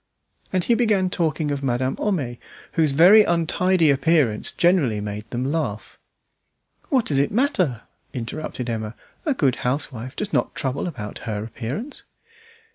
And he began talking of Madame Homais, whose very untidy appearance generally made them laugh. "What does it matter?" interrupted Emma. "A good housewife does not trouble about her appearance."